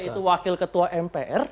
itu wakil ketua mpr